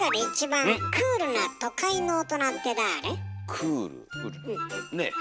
クールねえ？